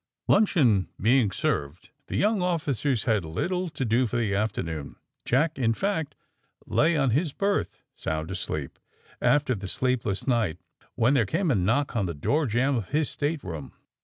Luncheon being served, the young officers had little to do for the afternoon. Jack, in fact, lay on his berth, sound asleep, after the sleepless night, when there came a knock on the door jamb of his stateroom.